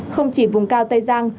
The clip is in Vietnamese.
không chỉ vùng cao tây giang